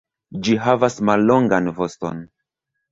Ĝi havas mallongan voston.